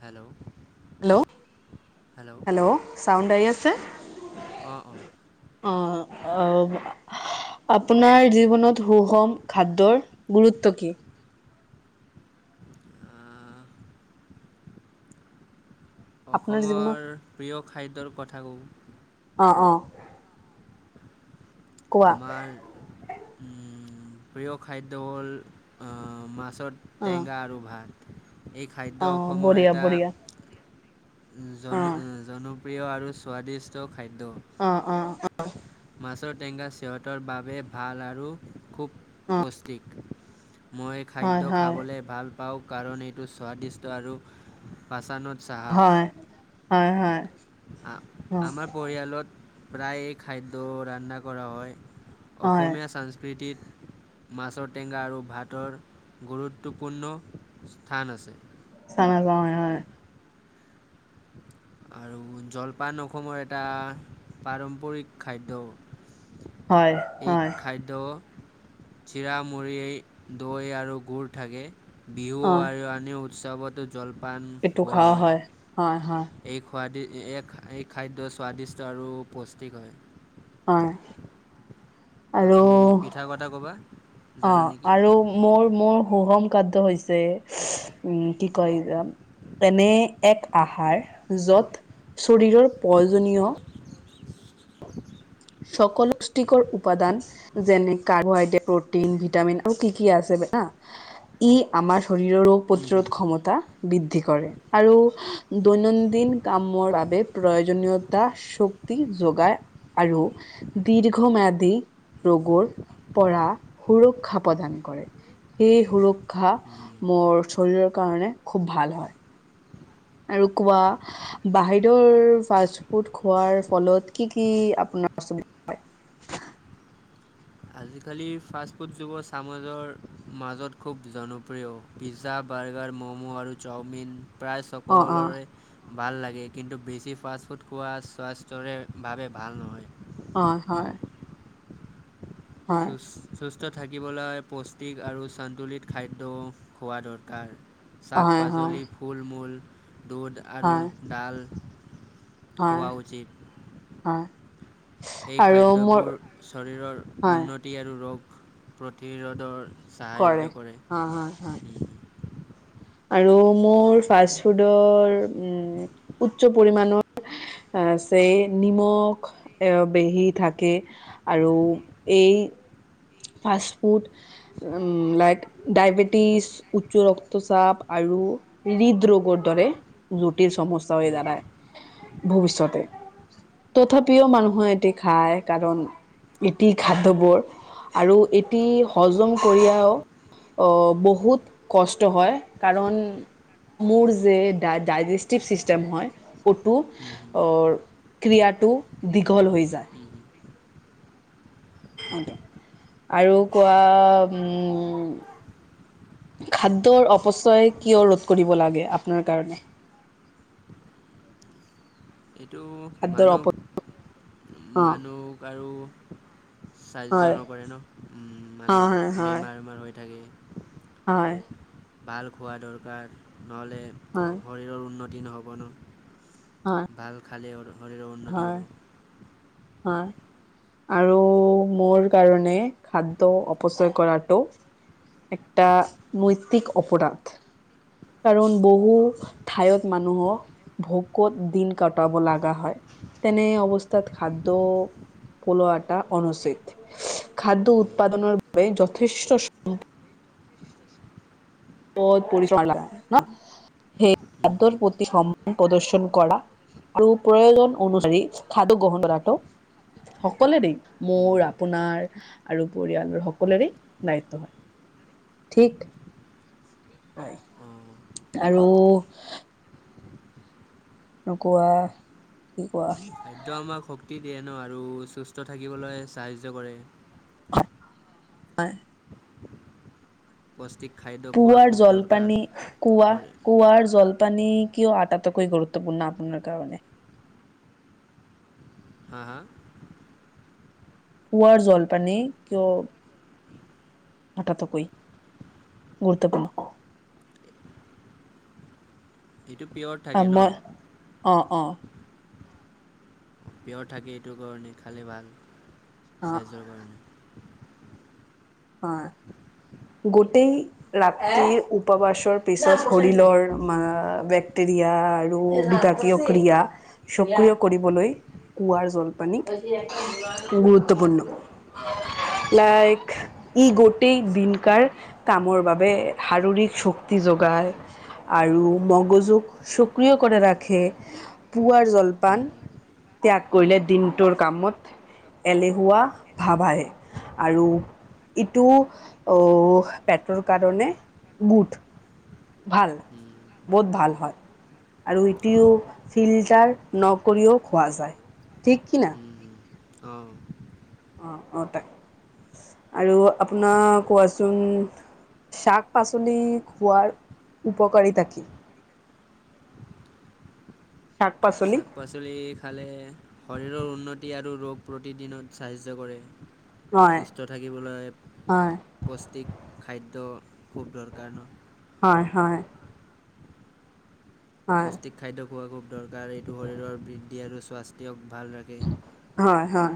Hello hello! ' Hello! চাউণ্ড আহি আছে অঁ অঁ অ, অ। আপোনাৰ জীৱনত সুষম খাদ্যৰ গুৰুত্ব কি? আহ! আপোনাৰ জীৱনত অসমৰ প্ৰিয় খাদ্যৰ কথা কওঁ অ, অ। কোৱা। আমাৰ ওম প্ৰিয় খাদ্য হ'ল অ মাছৰ অ', টেঙা আৰু ভাত। এই খাদ্য অ', অসমৰ বঢ়িয়া এটা বঢ়িয়া। জন অ'। জনপ্ৰিয় আৰু স্বাদিষ্ট খাদ্য। অ, অ, অ। মাছৰ টেঙা সিহঁতৰ বাবে ভাল আৰু খুব অ', পুষ্টিক। মই হয়, খাদ্য হয়, খাবলৈ ভাল পাওঁ কাৰণ এইটো স্বাদিষ্ট আৰু পাচানত চাহাজ হয়। হয়, হয়, আ অ', আমাৰ পৰিয়ালত প্ৰায়ে খাদ্য ৰান্ধা কৰা হয়। হয়, অসমীয়া সংস্কৃতিত মাছৰ টেঙা আৰু ভাতৰ গুৰুত্বপূৰ্ণ স্থান আছে। [unintelligible] আৰু জলপান অসমৰ এটা, পাৰম্পৰিক খাদ্য। হয়, এই হয়। খাদ্য চিৰা, মুৰি, দৈ আৰু গুৰ থাকে, বিহু আৰু আনি উৎসৱটো জলপান পেটু খোৱা হয়। হয়, হয়। এই, খোৱা দে এই, এই, খাদ্য স্বাদিষ্ট আৰু পুষ্টিক হয়। হয়। আপুনি আৰু পিঠা কথা ক'বা? অ জানা নেকি? আৰু মোৰ, মোৰ সুষম খাদ্য হৈছে উম, কি কয়? তেনে এক আহাৰ, য'ত শৰীৰৰ প্ৰয়োজনীয় সকলো পুষ্টিকৰ উপাদান যেনে, কাৰ্বহাইড্ৰেট, প্ৰটিন, ভিটামিন আৰু কি কি আছে জানা। ই আমাৰ শৰীৰৰ হুম হুম ৰোগ-প্ৰতিৰোধ ক্ষমতা বৃদ্ধি কৰে, আৰু দৈনন্দিন কামৰ বাবে প্ৰয়োজনীয়তা শক্তি যোগায়, আৰু দীৰ্ঘম্যাদী ৰোগৰ পৰা সুৰক্ষা প্ৰদান কৰে। এই সুৰক্ষা, মোৰ শৰীৰৰ কাৰণে খুব ভাল হয়। আৰু কোৱা। বাহিৰৰ ফাষ্ট-ফুড খোৱাৰ ফলত, কি কি আপোনাৰ পছন্দ? আজিকালি ফাষ্টফুড, যুৱ চামৰ মাজত খুব জনপ্ৰিয়। পিজ্জা, বাৰ্গাৰ, ম'ম' আৰু চাওমিন প্ৰায় অ অ সকলোৰে। ভাল লাগে, কিন্তু, বেছি ফাষ্ট-ফুড খোৱা স্বাস্থ্যৰে বাবে ভাল নহয়। হয়, হয়। সুচ সুস্থ থাকিবলৈ, পুষ্টিক আৰু সন্তুলিত খাদ্য খোৱা দৰকাৰ। হয় হয় শাক-পাচলি, ফুল-মূল, দুধ আৰু হয় হয় ডাল। হয়, খোৱা উচিত হয়। এই আৰু মোৰ খাদ্যবোৰ, শৰীৰৰ হয় উন্নতি আৰু ৰোগ প্ৰতিৰোধৰ সাহায্য কৰে। হয় হয় হয় আৰু মোৰ ফাষ্ট-ফুডৰ উম, উচ্চ পৰিমণৰ আহ চে নিমখ এ বেহি থাকে। আৰু এই। ফাষ্টফুড [unintelligible] ডায়েবেটিছ, উচ্চ ৰক্তচাপ আৰু হৃদৰোগৰ দৰে জটিল সমস্যা হৈ উম, হুম। জানাই ভৱিষ্যতে। তথাপিও মানুহে এটি খায়, কাৰণ এটি খাদ্যবোৰ আৰু এটি হজম কৰিয়াও অ', বহুত কষ্ট হয়, কাৰণ মোৰ যে ডাই ডাইজেষ্টিভ চিষ্টেম হয়, ক'তো উম, হুম, অৰ, ক্ৰিয়াটো বিকল হৈ যায়। উম, হুম। আৰু কোৱা, উম। খাদ্যৰ অপচয় কিয়, ৰোধ কৰিব লাগে আপোনাৰ কাৰণে? এইটো খাদ্যৰ অপ মানুহ, অ' মানুক আৰু সাহায্য হয় নকৰে ন, হয় মানুহ হয় বেমাৰ, বেমাৰ হৈ থাকে। হয়। ভাল খোৱা দৰকাৰ, নহ'লে হয় শৰীৰৰ উন্নত তি নহ'ব ন! হয় ভাল খালে শৰীৰৰ উন্নতি হয় হ'ব। হয়। আৰু মোৰ কাৰণে খাদ্য অপচয় কৰাটো একটা নৈতিক অপৰাধ। কাৰণ বহু ঠাইত মানুহক ভোকত দিন কটাব লগা হয়। তেনে অৱস্থাত খাদ্য পলোৱাতা অনুচিত। খাদ্য উম, উৎপাদনৰ বাবে যথেষ্ট উম, [unintelligible] আৰু প্ৰয়োজন অনুসাৰী খাদ্য গ্ৰহণ কৰাটো সকলোৱে দেই, হুম, উম, মোৰ, আপোনাৰ আৰু পৰিয়ালৰ সকলোৰে দায়িত্ব হয়। ঠিক অ'। আৰু নোকোৱা কি কোৱা? খাদ্য আমাক শক্তি দিয়ে ন, আৰু সুস্থ থাকিবলৈ সাহায্য কৰে। [unintelligible] পৌষ্টিক খাদ্য খোৱা পুৱাৰ খুব দৰকাৰ। জল-পানী, শৰী- কুৱা-কুঁৱাৰ জলপানী কিয় আটাটোকৈ গুৰুত্বপূৰ্ণ আপোনালোকৰ কাৰণে? হা! হা! পুৱাৰ জলপানেই কিয় আটাতোকৈ গুৰুত্বপূৰ্ণ। এইটো পিয়ৰ থাকে ন? [unintelligible] অঁ, অঁ। পিয়ৰ থাকে, এইটোৰ কাৰণে খালে ভাল অ স্বাস্থ্যৰ কাৰণে। অ, গোটেই ৰাতি উপবাসৰ পিছত [unintelligible] [unintelligible] সক্ৰিয় কৰিবলৈ কুঁৱাৰ জলপানী গুৰুত্বপূৰ্ণ। অঁ লাইক ই গোটেই দিনকাৰ কামৰ বাবে শাৰীৰিক শক্তি যোগায়। আৰু মগজুক সক্ৰিয় কৰে ৰাখে, পুৱাৰ জলপান ত্যাগ কৰিলে দিনটোৰ কামত এলেহুৱা ভাৱ আহে, আৰু ইটো অ, পেটৰ কাৰণে গোট ভাল, বহুত ভাল হয়। আৰু ইটোও অঁ ফিল্টাৰ নকৰিও খোৱা যায়, ঠিক কি না! অঁ অঁ, অঁ, তাকে, আৰু আপোনাৰ কোৱাচোন শাক-পাচলি খোৱাৰ উপকাৰিতা কি? শাক-পাচলি! শাক পাচলি খালে শৰীৰৰ উন্নতি আৰু ৰোগ প্ৰতিদিনত সাহাৰ্য্য কৰে। হয় সুস্থ থাকিবলৈ হয় পুষ্টিক খাদ্য খুব দৰকাৰ ন! হয়, হয়। হয়। পৌষ্টিক খাদ্য খোৱা খুব দৰকাৰ এইটো শৰীৰৰ বৃদ্ধি আৰু স্বাস্থ্যক ভাল ৰাখ হয়-হয়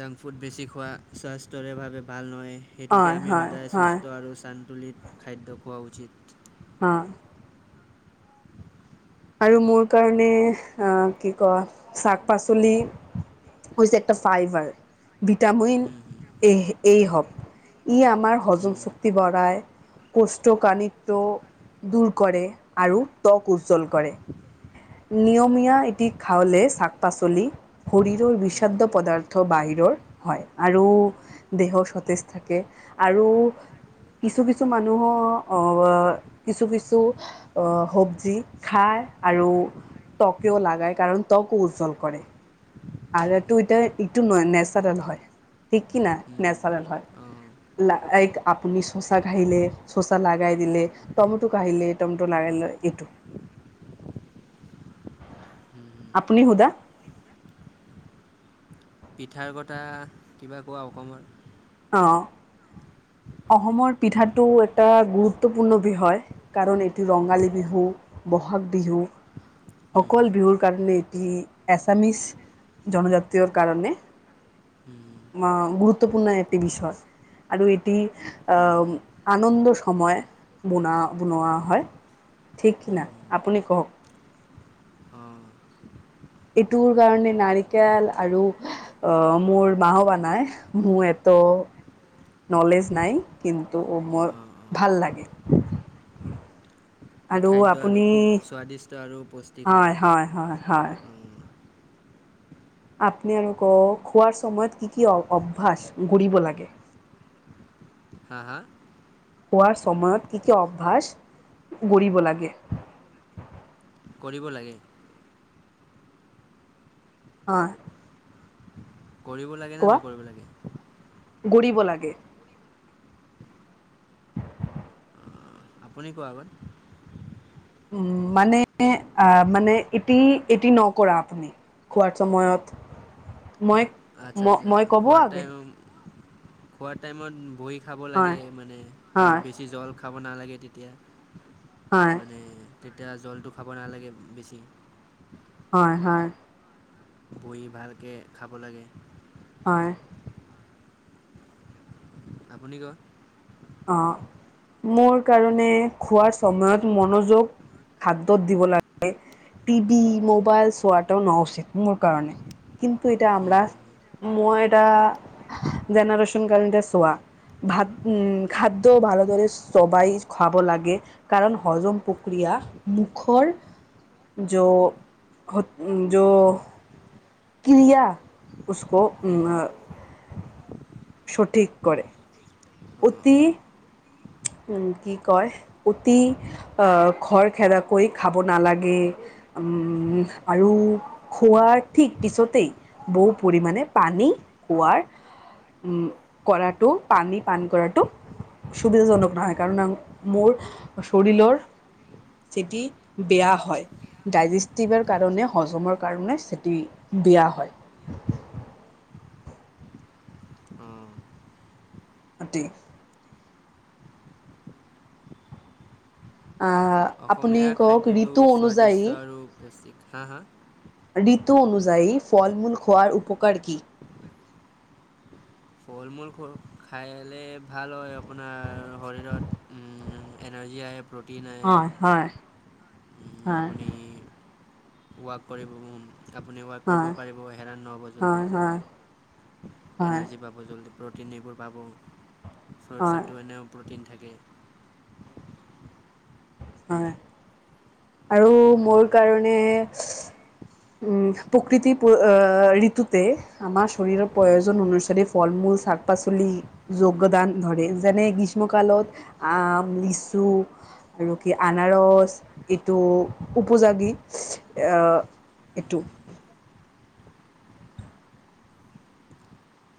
জাংক ফুড বেছি খোৱা স্বাস্থ্যৰেভাৱে ভাল নহয়। সেইটোকে হয় আমি হয় সদায় হয় সুস্থ আৰু চান্তুলিত খাদ্য খোৱা উচিত। অ, আৰু মোৰ কাৰণে আ কি কয় চাক-পাচলি হৈছে একটা ফাইবাৰ ভিটামিন উচিত এহ এ' হওক। ই আমাৰ হজম চক্তি বৰাই। কুষ্ঠ কাণিতক দূৰ কৰে আৰু ত্বক উজ্জ্বল কৰে। নিয়মীয়া এটি খাওঁলে চাক-পাচলি শৰীৰৰ উম, উম, বিষাদ্য পদাৰ্থ বাহিৰৰ হয় আৰু দেহো চতেজ থাকে আৰু কিছু কিছু মানুহৰ অ কিছু কিছু অ হবজি খায় আৰু ট্বকেও লাগায় কাৰণ ত্কো উজ্জ্বল কৰে। আৰু এইটো এতিয়া ইটো নেচাৰেল হয় ঠিক কি না উম, উম, নেচাৰেল হয় অঁ। লাইক আপুনি চচা ঘাইলে চচা লগাই দিলে টমেটো কাহিলে টমেটটো লাগাই ল এইটো উম, উম। আপুনি সুদা পিঠাৰ কটা কিবা কোৱা অকমান। অঁ, অসমৰ পিঠাটো এটা গুৰুত্বপূৰ্ণ বিষয়। কাৰণ এইটো ৰঙালী বিহু বহাগ বিহু উম, অকল হুম, বিহুৰ কাৰণে এটি এছামিছ জনজাতীয়ৰ কাৰণে উম, অ গুৰুত্বপূৰ্ণ এটি বিচয় আৰু এট এতি আ হুম, উম, হুম, আনন্দ সময় বোনা বনোৱা হয় ঠিক কি উম, না আপুনি কওক উম এইটোৰ কাৰণে নাৰিকেল আৰু আহ মোৰ মা হোবা বানাই মোৰ এ-ত নলেজ নাই কিন্তু মোৰ অঁ, অঁ। ভাল লাগে এই খাদ্য আৰু খুব স্বাদিষ্ট আৰু পুচ হয় হয় হয় হয় আপনি আৰু ক খোৱাৰ চময়ত কি কি অ অভ্যাস গৰিব লাগে হা হা খোৱাৰ চময়ত কি কি অভ্যাস গৰিব লাগে কৰিব লাগে হয় কৰিব লাগে নে নকৰিব লাগে গৰিব লাগে আপুনি‍ কোৱা আগত উম মানে আহ মানে এটি এটি নকৰা আপুনি খোৱাৰ চময়ত মই আচ্ছা আচ্ছা মই ক'ব খোৱাৰ আগে টাইম খোৱাৰ টাইমত বহি খাব লাগে হয় মানে অৰ হয় বেছি জল খাব নালাগে তেতিয়া হয়। মানে তেতিয়া জলটো খাব নালাগে বেছি। হয়, হয়। বহি ভালকে খাব লাগে। হয়। আপুনি ক অ' মোৰ কাৰণে খোৱাৰ সময়ত মনোযোগ খাদ্যত দিব লাগে। টভি মোবাইল চোৱাটোও ন উচিত মোৰ কাৰনে, কিন্তু এটা আমাৰ মই এটা জেনেৰেশ্যন কাৰণে এতিয়া চোৱা, ভাত উ খাদ্য ভালদৰে চোবাই খোৱাব লাগে। কাৰণ হজম প্ৰক্ৰিয়া মুখৰ য' য' ক্ৰিয়া উছক সঠিক কৰে। অঁ অঁ অতি উম, কি কয়, অতি আহ খৰ খেদ কৈ খাব নালাগে। অম আৰু খোৱাৰ ঠিক পিছতেই বহু পৰিমাণে পানী খোৱাৰ কৰাটো পানী পান কৰাটো সুবিধাজনক নহয়, কাৰণ মোৰ শৰীৰৰ চেতি বেয়া হয়। ডায়জেষ্টিভৰ কাৰণে হজমৰ কাৰনে চেতি বেয়া হয়। উম। অ' ঠিক অ'। অসমীয়া খাদ্যটো স্বাদদিষ্ট আৰু পৌষ্টিক, হাঁ হাঁ? ঋতু অনুুযায়ী ফল মূল খোৱাৰ উপকাৰ কি? ফল মূল খাইে ভাল হয়, আপোনাৰ শৰীৰত এনাৰ্জি আহে, প্ৰোটিন আহে হয় হয় হয় আপুনি ওৱাক কৰিব আপুনি ওৱাক কৰিব হয় পাৰিব হেৰাণ নহ'ব জল্দি, হয় হয় হয় এনাৰ্জি পাব। জল্দি প্ৰ'টিন এইবোৰ পাব, হয় ফ্ৰুটছতটো এনেও প্ৰ'টিন থাকেই। হয়। আৰু মোৰ কাৰণে প্ৰকৃতি পু ঋতুতে আমাৰ শৰীৰৰ প্ৰয়োজন অনুসৰি ফল মূল শাক পাচলি যোগদান ধৰে, যেনে গ্ৰীষ্মকালত আম লিচু আৰু কি আনাৰস এইটো উপযাগী। এইটো